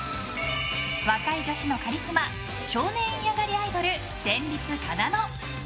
若い女子のカリスマ少年院上がりアイドル戦慄かなの。